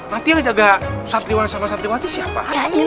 nanti yang jaga satriwan sama santriwati siapa